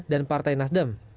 dan partai nasdem